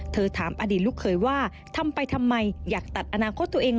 ถามอดีตลูกเคยว่าทำไปทำไมอยากตัดอนาคตตัวเอง